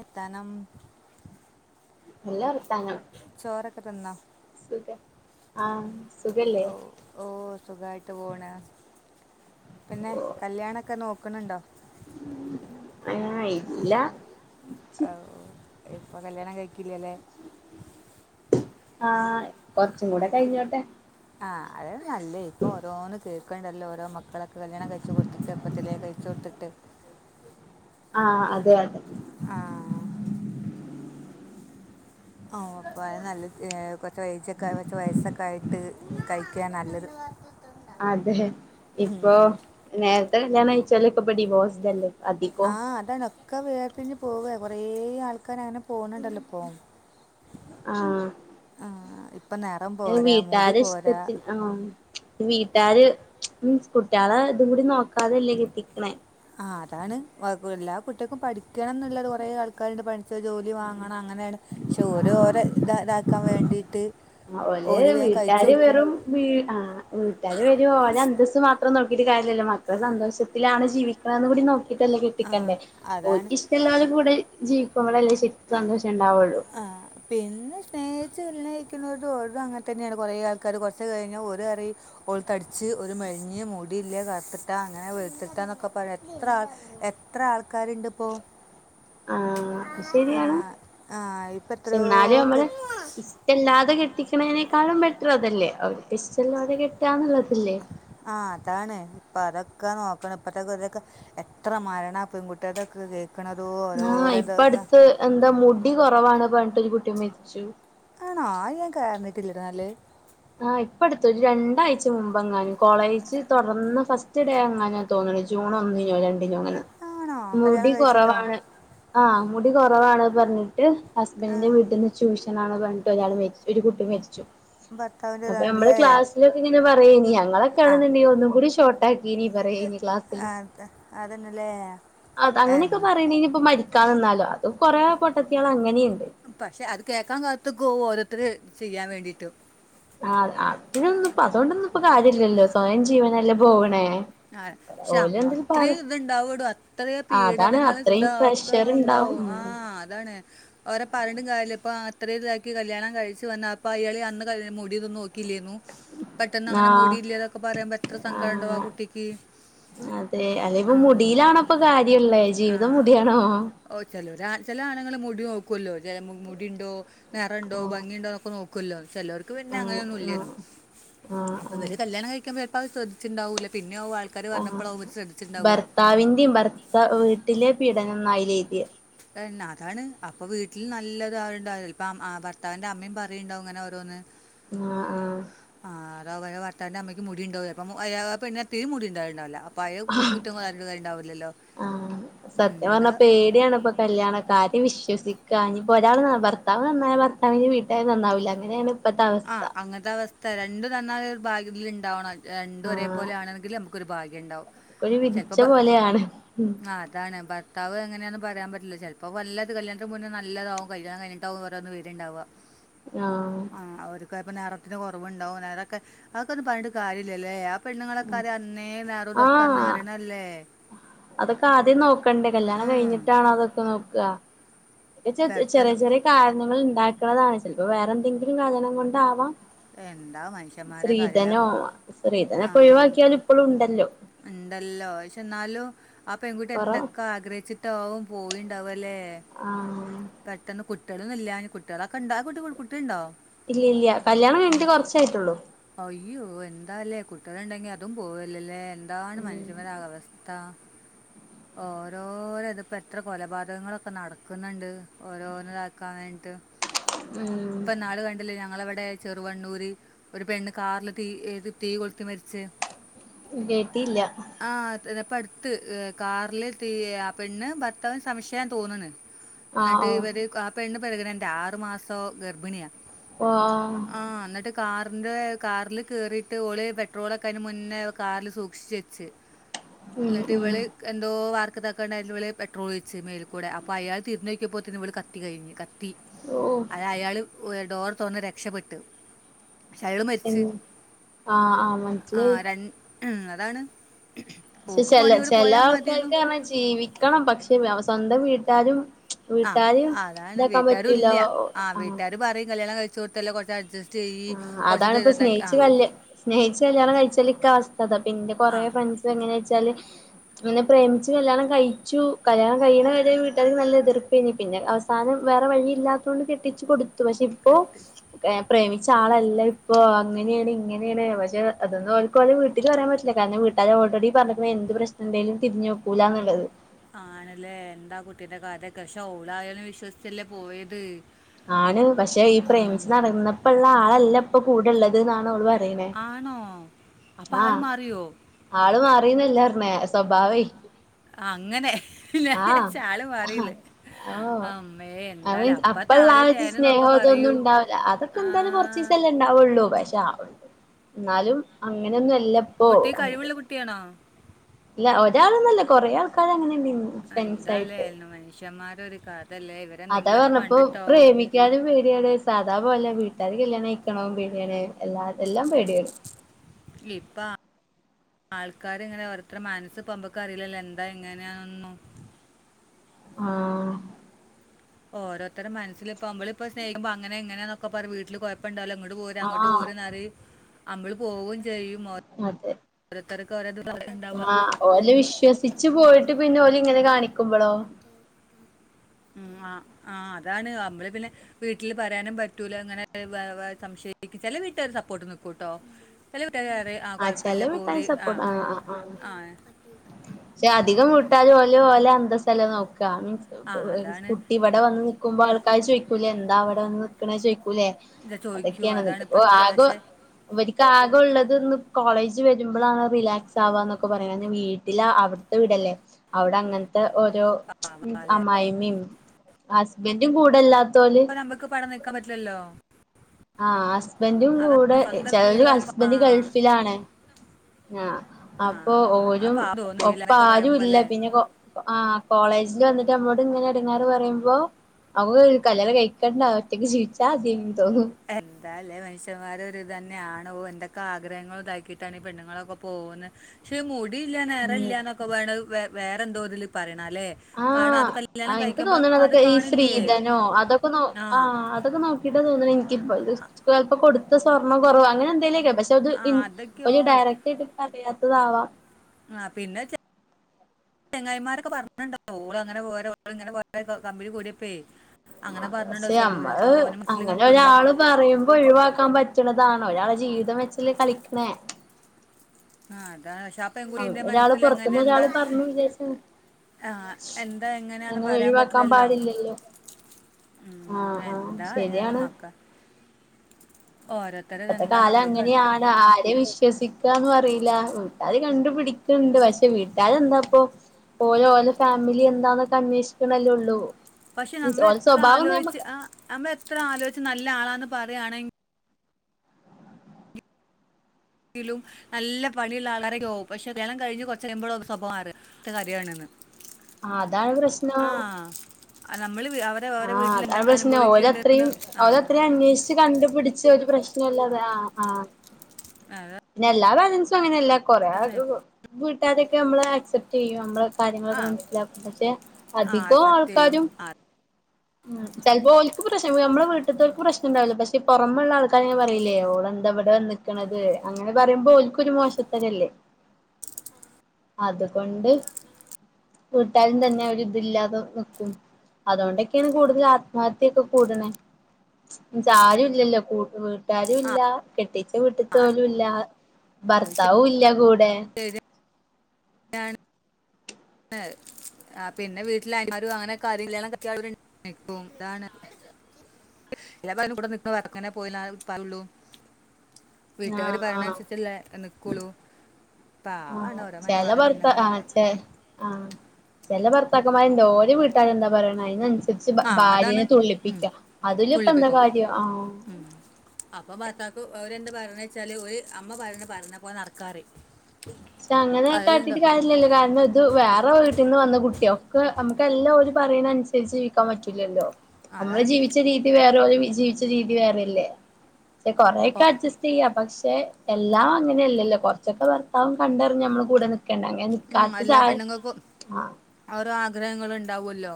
എത്തനം [unintelligible] ചോറൊക്കെ തിന്നോ സുഖം ആഹ് സുഖല്ലേ ഓ ഓ സുഖായിട്ട് പോണ് പിന്നെ കല്യാണക്കെ നോ ക്കുന്നോണ്ടോ ഏ ഇല്ല അവു ഇപ്പം കല്യാണം കഴി ക്കില്ലാലെ ആഹ് കൊറച്ചുക്കൂടെ കഴിഞ്ഞോട്ടെ ആഹ് അത് യല്ലേ ഇപ്പൊ ഓരോന്ന് കേ ക്കണ്ടല്ലോ ഓരോ മക്കളക്കെ കല്യാണം കഴിച്ചു കൊടുത്ത് ചെറുപ്പത്തിലേ കഴിച്ച് കൊട്ത്തിട്ട് ആഹ് അതെ അതെ ആഹ് ഓഹ് അപ്പൊ അത് നല്ലത് കൊറച്ച് വയസൊക്കെ കൊറച്ച് വയസ്സൊക്കെ ആയിട്ട് കഴിക്കാ നല്ലത് അതെ ഇപ്പൊ ഉം. നേര [unintelligible] ല്യാണയിച്ചാല് ഇപ്പോ ഡിവോസ്ട് അല്ലെ ആഹ് അതതൊക്കെ വേർപിരിഞ്ഞ് പോവ കുറേ ആൾക്കാരങ്ങനെ പോണണ്ടല്ലോപ്പം ആഹ് ഇ വീട്ടാര ഇഷ്ടത്തിന് ആഹ് വീട്ടാര് മ്മ് കുട്ട്യാളെ ഇതുകൂടി നോക്കാതെല്ലേ കെട്ടിക്ക്ണെ ആഹ് അതാണ് എല്ലാ കുട്ട്യാക്കും പഠിക്കണം ന്നുള്ളത് കുറെ ആൾക്കാര്ണ്ട് പഠിച്ച് ജോലി വാങ്ങണം അങ്ങനെയാണ് പക്ഷെ ഓര് ഓരേ ത് ഇതാക്കാൻ വേണ്ടിട്ട് ആഹ് ഓല് വീട്ടാര് വെറും വീ ആഹ് വീട്ടാര് വെരു ഓലെ അന്തസ്സ് മാത്രം നോക്കി ക്കീട്ട് കാര്യല്ലല്ലോ മക്കള് സന്തോഷത്തിലാണ് ജീവിക്കണന്ന് കൂടി നോ ക്കീട്ടല്ലെ ആ കെട്ടിക്കണ്ടെ അതാണ് ഓല്ക്ക് ഇഷ്ടല്ലാലൂടെ കൂടെ ജീവിക്കുമ്പളല്ലെ ശെരിക്കും സന്തോഷ ആഹ് പിന്നെ സ്നേ ഹിച്ച് കല്യാണം കയിക്കുന്നത് ഓര്തും അങ്ങനെ തന്നെയാണ് കൊറെ ആൾക്കാര് കൊറച്ച് കഴിഞ്ഞ് ഓലറിം ഓൾ തടിച്ച് ഓല് മെലിഞ് ആഹ് അത് ശരിയാണ് ആ ഇപ്പം എത്രയോ പക്ഷെന്നാലും നമ്മള് കെ- ഇഷ്ടല്ലാ അത് കെട്ടിക്കണെനേക്കാളും ബെറ്റർ അതല്ലേ അവർക്ക് ഇഷ്ട്ടോള്ളൊരെ കെട്ടാന്ന്ള്ളത് ആഹ് അതാണ് അപ്പൊ അതൊക്കെ നോക്കണം ഇപ്പഴത്തേ [unintelligible] എത്ര മരണാ പെൺകുട്ട്യടേക്കെ കേക്ക് ആഹ് ഇപ്പ അട്ത്ത് എന്താ മുടി കൊറവാണ് പെ പെൺകുട്ടി മരിച്ചു ആണോ അത് ഞാൻ കേറ്ണിട്ടില്ലട്ടോന്നാല് ആഹ് ഇപ്പട്ത്ത് ഒരു രണ്ടാഴ്ച മുമ്പങ്ങാനും കോളേജ് തോറന്ന് ഫസ്റ്റ് ഡേ എങ്ങാനാ തോന്ന്ണ് ജൂൺ ഒന്നിനോ ര ആ, ണ്ടിനോന്ന്ണ്‌ ആണോ മുടി കല്യാണം കഴിച്ചിട്ടോ കൊറവാണ്. ആ മുടി കൊറവാണ് പറഞ്ഞിട്ട് ആ ഹസ്ബൻഡിന്റെ വീട്ടിന്ന് ചൂഷണാണ് പറ ഞ്ഞ്ട്ടൊരാൾ മരി ഒരു കുട്ടി മരിച്ചു ഭർത്താവിൻ്റെ അപ്പൊ നമ്മള് ഇതാണ്ടല്ലേ ക്ലാസിലൊക്കെങ്ങനെ പറയേനി ആ ഞങ്ങളൊക്കാണ്‌ന്ന്ടെങ്കി ഒന്നും കൂടെ ഷോ ക്കിനി പറയേനീ ക്ലാസില് ആ, അത് അതന്നല്ലേ അത് അങ്ങനെയൊക്കെ പറയണെനിപ്പോ മരിക്ക ക്കാ നിന്നാലോ അതും കൊറേ പൊട്ടത്തിയൾ അങ്ങനേനി പക്ഷെ അത് കേൾക്കാൻ കാത്തുക്കോ ഓരോരുത്തർ ചെയ്യാൻ വേണ്ടീട്ട് ആ അതിനൊന്നുപ്പം അതോണ്ടൊന്നും പ്പം കാര്യല്ലല്ലോ സ്വയം ജീവന് ല്ല പോവണേ ആഹ് പക്ഷേ ഓല് അങ്ങ എന്തേലും അത്രിം പറ ഇത് ഇണ്ടാവടോ അത്തറീം ആഹ് അതാണ് പീഡനങ്ങള് അത്രയും പ്രഷർ ഇണ്ടാവും ഇതാക്ക്നുണ്ടാവും ആഹ് അതാണ് ഒരേ പറഞ്ഞ്ട്ടും കാര്യല്ല ഇപ്പം അത്തറീം ഇതാക്കി കല്യാണം കഴിച്ച് വന്ന് അപ്പ അയാള് അന്ന് കര് മുടി ഇതൊന്നും നോക്കില്ലേരുന്നു പെട്ടെന്നങ്ങനെ ആഹ് മുടിയില്ലാതൊക്കെ പറയുമ്പോ എത്ര സങ്കടണ്ടാവും ആ ആഹ് കു അതെ ആ അല്ലേപ്പം മുടിയിലാണോ ഇപ്പൊ കാര്യങ്ങള് ആ ജീവിതം മുടിയാണോ ടി നോക്കുവല്ലോ ചെലെ മു മുടിണ്ടോ നെറണ്ടോ ആഹ് ഭംഗിണ്ടോ ഒക്കെ നോ ക്കൊല്ലോന്ന് ചിലവർക്ക് പിന്നെ ആഹ് അങ്ങനെയൊന്നും ആഹ് ഇല്ലായിരുന്നു ആഹ് അപ്പോ ആഹ് ഇവര് കല്യാണം കഴിക്കുമ്പോ എ അത് ശ്രദ്ധിച്ചിറ്റിണ്ടാവൂലേ ആ ഭർത്താവിന്റെയും ഭർത്താവ് വീട്ടിലെ പീഡനന്നായി. [unintelligible] അതന്നെ അതാണ് അപ്പോ വീട്ടിൽ നല്ലത് ആരുണ്ടാവാ അപ്പ ഭർത്താവിന്റെ അമ്മയും പറയുണ്ടാവും ഇങ്ങനെ ഓരോന്ന് ആഹ് ആഹ് ആഹ് അത് അവ ഭർത്താവിന്റെ അമ്മയ്ക്ക് മുടി ഉണ്ടോ അപ്പോ [unintelligible] മുടി ഉണ്ടാവലുണ്ടാവല്ലോ ആഹ് ഉം, സത്യം എന്താ പറഞ്ഞാ പേടിയാണിപ്പോ കല്യാണം കാര്യം വിശ്വസി ക്കാ ഇനി ഇപ്പോ ഒരാൾ ഭർത്താവ് നന്നായാ ഭർത്താവിന്റെ വീട്ടുകാര് നന്നാവില്ല അങ്ങനെയാണ് ഇപ്പത്തെ അവസ്ഥ ആഹ് അങ്ങനത്തെ അവ സ്ഥ രണ്ടും നന്നാകാൻ ഭാഗ്യം ഇതിൽ ഇണ്ടാവണം. രണ്ടും ഒരേ ആഹ് പോലെ ആണെങ്കിൽ നമു ക്കൊരു ഭാഗ്യം ഉണ്ടാവും. ഒരു വിധിച്ച ചിലപ്പോൾ പോലെയാണ്. [unintelligible] എങ്ങനെയാന്ന് പറയാൻ പറ്റില്ല ചിലപ്പോ നല്ലത് കല്യാണത്തിന് മുന്നേ നല്ലതാവും കല്യാണം കഴിഞ്ഞിട്ടാവും ഓരോന്ന് വെരുണ്ടാവുക. ആഹ് ആഹ് അവർക്ക് ഇപ്പം നിറത്തിന് കുറവുണ്ടാകും അതൊക്കെ അതൊക്കെ ഒന്നും പറഞ്ഞിട്ട് കാര്യമില്ലല്ലേ? പെണ്ണുങ്ങളൊക്കെ അ അന്നേ നെറം ഇതൊക്കന്ന് ആഹ് അറിയണല്ലേ? അതൊക്കെ ആദ്യം നോക്കണ്ടേ കല്യാണം ഉം. കഴിഞ്ഞിട്ടാണ അതൊക്കെ നോ ആഹ് [unintelligible] ചെറിയ പെട്ടെന്ന് ചെറിയ കാരണങ്ങളി ണ്ടാക്കണതാണ് ചിലപ്പോൾ വേറെ എന്തെങ്കിലും കാരണം കൊണ്ടാവാം, എന്താ മനുഷ്യന്മാരെ കാര്യലെ സ്ത്രീധനോ സ്ത്രീധനൊക്കെ ആഹ് ഒഴിവാക്കിയാൽ ഇപ്പളും ഉണ്ടല്ലോ ഉണ്ടല്ലോ എന്നാലു ആ പെൺകുട്ടി കൊറ എന്തൊക്കെ ആഗ്രഹിച്ചിട്ടാവും പോയിണ്ടാവാ ലേ ആഹ് പെട്ടെന്ന് കു കുട്ടികളില്ലാഞ്ഞ കുട്ടികളൊക്കെയുണ്ടായ കുട്ട കുട്ടി ഉണ്ടോ? ഇല്ല ഇല്ല്യ. കല്യാണം കഴിഞ്ഞിട്ട് കുറച്ചായിട്ടുള്ളൂ. അയ്യോ എന്താല്ലേ കുട്ടികള് ഉണ്ടെങ്കി അതും പോവല്ലല്ലേ. ന്താണ് ഉം മനുഷ്യന്മാരുടെ അവസ്ഥ. ഓരോര് ഇതിപ്പോ എത്ര കൊലപാതകങ്ങളൊക്കെ നടക്കുന്നുണ്ട് ഓരോന്ന് ഇതാക്കാൻ വേണ്ടിട്ട്. ഇപ്പോ ഇന്നാള് കണ്ടില്ലേ ഞങ്ങളവിടെ ചെറുവണ്ണൂര് ഒരു പെണ്ണ് കാറില് തീ ഏ തീ കൊളുത്തി മരിച്ച്. കേട്ടിയില്ല. ഇതാപ്പോടുത്ത് എടുത്ത് കാറില് തീ ആ പെണ്ണ് ഭർത്താവിനു സംശയതോന്നണ്. എന്നിട്ട് ആഹ് ഇവര് ആ പെണ്ണ് പെറുഗ്നന്റ് ആറു മാസോ ഗർഭിണിയാ. ഓഹ് ഓഹ് ആഹ് എന്നിട്ട് കാ റിന്റെ കാറിൽ കേറിട്ട് ഓള് പെട്രോളൊക്ക അതിന് മുന്നേ കാറില് സൂക്ഷിച്ച് വെച്ച്. ഉം ഇല്ലട്ട് ഉം ഇവള് എന്തോ വാർത്ത [unintelligible] പെട്രോലോഴിച്ച് മേൽ. കൂടെ അപ്പോ അയാൾ തിരിഞ്ഞു നോക്കി ഇപ്പോത്തേക്ക് ഇവൾ കത്തി കഴിഞ്ഞ് കത്തി ഓഹ് ത്തി അത് അയാള് ഉയെ ഡോർ തുറന്നിട്. രക്ഷപ്പെട്ടു. എ ആഹ് ആഹ് മനസിലായി. ഉം അതാണ്. പക്ഷെ ഓക്ക് പോണി ചില ഇവിടെ ചില പോയാൽ മതിയെന്നു ആൾക്കാർക്ക് പറാ ജീവിക്കണം പക്ഷെ സ്വന്തം വീട്ടിൽ. എല്ലാരും. ആഹ് അതാണ് വീട്ടുകാരും ഇല്ല്യാ ആഹ് അങ്ങനെ വീട്ടുകാര് പറയും കല്യാണം കഴി ചൂർത്തെല്ല കെറച്ച് അഡ്ജസ്റ്റ്. ചെയ്യ് ആ അതാണ് കുറച്ച് ഇപ്പോ ഇതാക്കി ആ സ്നേഹിച്ച് കല്യാ സ്നേഹിച്ച് കല്യാണം കഴിച്ചാലിക്കെ അവസ്ഥ ഇതാ പിന്നെ ആ കൊറെ ഫ്രണ്ട്സ് എങ്ങനെയൊ ന്നാല് അങ്ങനെ പ്രേമിച്ച് കല്യാണം കഴിച്ചു കല്യാണം കഴിയണ വരെ വീട്ടുകാർക്ക് നല്ല എതിർപ്പേരുന്നു പിന്നെ അവസാനം വേറെ വഴി ഇല്ലാത്തത കൊണ്ട് കെട്ടിച്ചു കൊടു ത്തു പക്ഷേ ഇപ്പോ. എട്ട് [unintelligible] പ്രേമി ച്ചാ ആളല്ല ഇപ്പോ അങ്ങനെയാണ് ഇങ്ങനെയാണ് പക്ഷേ അതൊന്നു ഓൾ ക്ക് വീട്ടിൽ പറയാൻ പറ്റില്ല കാരണംവീ ട്ടാര് ഓൾറെഡി പറഞ്ഞക്കണ് എന്ത് പ്രശ്നം ഉണ്ടേലും തിരിഞ്ഞു നോക്കൂലന്നുള്ളത്. ആണല്ലേ എന്താ കുട്ടീന്റെ കഥ ഒക്ക പക്ഷെ ഓളയാളെ വിശ്വസിച്ചല്ലേ പോയത് ആണ് പക്ഷെ ഈ ആ പ്രേമിച്ചച്ച് നടന്നപ്പോ ഉള്ള ആളല്ല ഇപ്പൊ കൂടെള്ള [unintelligible] ആണോ അപ്പൊ ആഹ ആള് മാറിയോ? ആള് മാറീ മാറീ ന്നല്ലന്നേ സ്വഭാവേ അങ്ങനെ ഞാൻ വിചാരിച്ച് ആള് ആഹ മാറീന്ന്. അമ്മേ! എന്താല്ലേ മീൻസ് അപ്പ ഉള്ള താല് ആച്ച് സ്നേഹം തേന്ന്നൊക്കെ അതൊന്നും പറയും. ഉണ്ടാവില്ല അതൊക്കെ ആ. എന്തായാലും കുറച്ചു ദി സല്ലേ ഉണ്ടാവുള്ളൂ പക്ഷേ ആള്ളൂ എന്നാലും അങ്ങനെയൊന്നും അല്ലപ്പോ കുട്ടി അങ്ങനെ കഴിവുള്ള കുട്ടിയാണോ? ഇല്ല ഒരാൾഒ ന്നല്ല കൊറെേ ആൾക്കാര അങ്ങനെ എന്താലേന്ന് മനുഷ്യന്മാർ ഒരുകാര്യം അതാ പറഞ്ഞപ്പോ പ്രേമിക്കാനും പേടിയാണ് സാദാ പോല വീട്ട ഇ അത് കല്യാണം കഴിക്കാൻ പേ ടി യാണ് എല്ലാ എല്ലാം പേടിയാണ് ആൾക്കാാര് ഇങ്ങനെ ഓരോരുതരുടെ മനസ് പൊനമുക്ക് അറിയില്ലല്ലോ എന്താ ഇങ്ങനെയാണൊന്നു ആഹ ഓരോരുതരുടെ മനസ്സിൽ ഇപ്പോ നമ്മൾ ഇപ്പോ സ്നഹിക്ക്മ്പോ അങ്ങനങ്ങനന്നൊക്കെ പറഞ്ഞു വീട്ടില് കുഴപ്പുണ്ടല്ലോ അ ങ്ങോ ട്ടു പോര അങ്ങോട്ട് പോര ആഹ് എന്ന നമ്മള് പോകും ജയ മോ ഓരോത്തർക് ക്ക് ആഹ ഓല വിശ്വസിിച്ചച്ച് പോയിട്ട് പിന്നെ ഓല ഇങ്ങനെ കാണിക്ക കുബളോ ആ ആ അതാണ് നമ്മൾ പിന്നെ വീട്ടിൽ പറയാനും പറ്റൂല അങ്ങനെ സംശയിക്ക ചില വീട്ടിലരു സപ്പോർട്ട് നിൽക്കൂ കേട്ടോ ചില ഇട്ടയറെ ആ ആഹ് ചെല കുഴപ്പില്ല വീട്ടാര് പോൂര് ആ സപ്പോർട്ട് ആഹ് ആഹ് ആഹ് ആ പക്ഷെ അധികം വി ട്ടാല് പോലെ പോലെ എന്ത ചിലല നോക്കും ആ [inaudible] ഒരു അതാണ് കുട്ടി ഇവിടെ വന്ന് നിക്കുമ്പോ ആൾക്കാർ ചോദിക്കൂല എന്താ അവിടെ വന്ന് നക്കണ ചോദിക്കൂലേ ഇത് ചോദിക്കൂ അതൊക്കെയാണ്. അതാണ് അപ്പ ഇപ്പത്തെ ആോ പക്ഷെ അവർ ക്ക് ആക ഉള്ളത് കോളേജ് വരുമ്പോാണ് റിലാക്സ് ആവാന്നൊക്കെ പറയുന്നതവീട് വീട്ടില അവിടത്തെ വീടല്ലേ അവിടെ അങ്ങന ഓരോ പാവാലേ അമായി്അമ്മ യും ഹസ്ബന്റും കൂടെല്ലാം അപ്പ നമുക്ക് പടം നിൽക്കാൻ പറ്റില്ലല്ലോ ആ ഹസ്ബൻഡും കൂടെ അതാണ് സ്വന്തം ചെലര് വീട് പോലെ പാ- ഹസ്ബൻഡ് ഗൾഫിലാണ് ആ ആ ആ അപ്പൊ ഓരും അപ്പൊ തോന്നില്ല ഒപ്പ എന്നൊക്കെ ആരുല്ല പറയുമ്പോലെ പിന്നെ ആ കോളേജിൽ വന്നിട്ട് നമ്മോട് ഇങ്ങനെ ടങ്ങേർ പറയുമ്പോ നമ്മക്ക് കല്യാണം കഴിക്കണ്ട ഒറ്റയ്ക്ക് ചീവിച്ചാ തിയെന്ന് തോന്നും എന്താലേ മനുഷ്യന്മാരൊരിതെന്നാണ് എന്തൊക്കെ ആഗ്രഹങ്ങൾ ഇതാക്കിയിട്ടാണ് പെണ്ണുങ്ങളൊക്കെ പോന്ന് പക്ഷെ മു ടില്ല ഉം നെറല്ലന്നൊക്കെ പറെണ് വേറെന്തോതിൽ പറ ആ എനിക്ക് തോന്ന്ണെ അത് അതൊക്കെ ഈ കാണില്ലേ ശ്രീധനോ അതൊക്കെ നോ ആ അതൊക്കെ നോക്കിട്ടാ തോന്ന്ണെ ഇ പ്പോം കൊടുത്ത സ്വർണ്ണം കൊറവോ അങ്ങനെന്തെങ്കിലേക്കും പക്ഷെ അത് ആ ഇൻ അതൊക്കെയോ ഒരു ഡയറക്ട് ആയിട്ട് പറയാ അതാവാ ആ പിന്നെ ചെ ചെങ്ങായിമാരൊക്കെ പറഞ്ഞിട്ടുണ്ടാവും ഓള് അങ്ങനെ പോര ഇങ്ങനെ പോര കമ്പനി കൂടിയപ്പെ പക്ഷേ ഞമ്മള് അങ്ങനെ കിട്ടുണ്ടോ ഒരാള് പറയുമ്പോ ഒഴിവാക്കാൻ പറ്റണതാണോ ഒ ജീവിതം വേ ച്ച് ലെ കളിക്കണേ ആ താണ് ക്ഷെ അ പെൺകുട്ടീടെ അങ്ങനെ ഒരാള് മനസ്സില് എങ്ങനെ പുറത്തുന്ന് എന്താ ഒരാള് പറഞ്ഞു വിചാരിച്ച ആ എന്താ എങ്ങനെയന്ന് അങ്ങനെ പറയാൻ ഒഴിവാക്കാൻ പറ്റില്ലല്ലോ പാടില്ലല്ലോ ഉം ആഹ് ആഹ് എന്താ ആയാലും ശരിയാണ് മക്ക ഓരോരുത്തരത് ഇപ്പത്തെ എന്താ കാലം നമുക്കല്ല അങ്ങനെയാണ് ആരേം വിശ്വസ ന്നും അറിയില്ല വീട്ടാര് കണ്ട് പിടിക്ക്ണ്ട് പക്ഷെ വീട്ടാരെന്താപ്പൊ ഓര് ഓലോ ഫാമിലി എന്താന്നൊക്കെ അന്വേഷിക്കണല്ലോള്ളൂ പക്ഷെ നമ്മൾ എത്ര ആലോചിച്ച് ആ നമ്മൾ എത്ര ആലോച്ച് നല്ല ആളാന്ന് പറാണെങ്കി ങ്കിലും നല്ല പണിയുള്ള ആളരൊക്കെ ആവും പക്ഷെ കല്യാണം കഴിഞ്ഞ് കുറച്ച്റിയുമ്പള ഓലെ സ്വഭാവം മാറാ ത്തെ [unintelligible] ആ അതാണ് പ്രശ്നം നമ്മൾ അവരെ അവരെ ആ വീട്ടിൽ അതാണ് എന്തൊക്കെ പ്രശ്നം ഓരത്രയും അനുഭവിക്കുന്നുണ്ടെന്ന് ആ ഓരത്രയും അന്വേഷിച്ച് കണ്ടു പിടിച്ച് ഒരു പ്രശ്ന നല്ലത് ആ ആ [unintelligible] [unintelligible] അങ്ങനെല്ല [unintelligible] [unintelligible] അതാണ് ക്കെ നമ്മളെ അക്‌സെപ്റ് ചെയ്യും നമ്മള് ആ കാര്യങ്ങളൊക്കെ മനസ്സിലാക്കും പക്ഷെ ആ അധികം അക്സെപ്റ്റ് ചെയ്യും ആൾക്കാരും ആ ഉ ചെലപ്പോ ഓല്ക്ക് പ്രശ്നം നമ്മുടെ വീട്ട്ത്തോൽക്ക് പ്രശ്നം ഇണ്ടാവൂല്ല പക്ഷെ പൊറമെള്ള ആൾക്കാര്ങ്ങനെ പറയൂല്ലേ ഓള് എന്താ ഇവിടെ വന്ന്ക്ക്ണത് അങ്ങനെ പറയുമ്പോ ഓൽക്കൊരു മോശത്തരല്ലേ [unintelligible] കൂടുതൽ ആത്മഹത്യൊക്കെ കൂടണേ ച്ചാ ആരും ഇല്ലല്ലോ വീട്ടാരും ഇല്ല കെട്ടിച്ച അത് വീട്ട്ത്തോലുംല്ല ഭർത്താവും ഇല്ല കൂ ടെ ശരിയാണ് [unintelligible] വീട്ടുകാര് ആഹ് ആഹ് പറയഞ്ഞനുസരിച്ചല്ലേ നിക്കൊള്ളൂ പാവാണ് ആഹ് ഓരോ മ ഓരോ പെണ്ണുങ്ങള് ആ ചെല ഭർത്താക്കന്മാര്ണ്ട് ഓലെ വീട്ടാരെന്താ പറയണെ അയിനൻസ രി ആ അതാണ് ഭാര്യനെ ഉം. തുള്ളിപ്പിക്കുക അതില ഇപ്പ എന്താ തുള്ളിപ്പിക്കും കാര്യ ആ പറഞ്ഞ വെച്ചാല് ഒരു അമ്മ പറഞ്ഞഞ് പറഞ്ഞ പോല നടക്കാറ് പക്ഷെ അതിലുണ്ടോ അങ്ങനെെട്ടിട്ട് കാര്യമല്ലോ കാരണം ഇത് വേറെ വീട്ടിന്ന് വന്ന കുട്ടിയോ ന നമുക്ക എല്ലാം ഒരു പറയുന്നനുസരിച്ച് ജീവിക്കാൻ പറ്റൂില്ലല്ലോ നമ്മള് അതാണ് ജീവിച്ച രീതി വേറെ ജീവിച്ച രീതി വേറെല്ലേ പക്ഷെ കൊറെേൊക്കെ ഓ- അഡ്ജസ്റ്റ് ചെയ്യ പക്ഷെ പക്ഷെ എല്ലാം അങ്ങനെയല്ലല്ലോ കുറച്ചൊക്കെ പറ അതാവ കണ്ടറ നമ്മൾ കൂടെ ക്കണ്ടങ്ക ഉം, നിക്കാത്ത സ എല്ലാ ആഹ ആഗ്രഹങ്ങൾ ഉണ്ടാവുമല്ലോ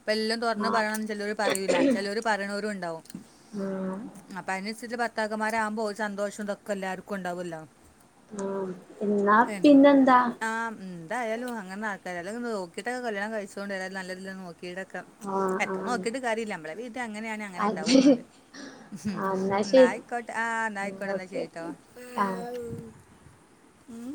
അപ്പ എല്ലാം തുറന്ന് ആഹ് പറയണംന്ന് ചിലർ പറയൂല്ല ചിലർ പറയണവരുുംണ്ടാവും ആഹ് അപ്പൊ അതിന ഭർത്തകമാരാകുമ്പോൾ സന്തോഷം ഇതൊക്കെ എല്ലാ ആർക്കും ഉണ്ടാവല്ലോ ആഹ എന്നാ പിന്നെ എന്താ ആ ഉം, എന്തായാലും അങ്ങന നാട്ട്കാരൊക്കെ നോക്കിട്ടൊക്കെ കല്യാണം കഴിച്ചോണ്ട് വര നല്ലതിനെ നോക്കി ടൊക്കെ ആഹ് എത്ര ആഹ് നോക്കിട്ട് കാര്യല്ല നമ്മളെ വീട്ട അങ്ങനെയാണ് അങ്ങനെ അത് ഇണ്ടാവൂന്നല് ഹും ആഹ് എന്നാ ശരി യിക്കോട്ട് ആ്ന്നായിക്കോട്ടഎന്നാ ഓക്കെ ശരീട്ടോ ഓക്കെ ആഹ് ഉം